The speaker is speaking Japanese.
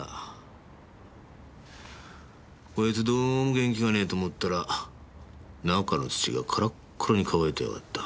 こいつどうも元気がねえと思ったら中の土がカラッカラに乾いてやがった。